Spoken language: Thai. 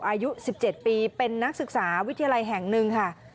อายุ๑๗ปีเป็นนักศึกษาวิทยาลัยแห่งหนึ่งค่ะ